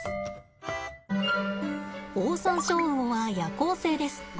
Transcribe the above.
オオサンショウウオは夜行性です。